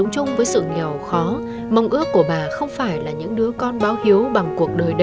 tôi cũng không biết làm sao nữa rồi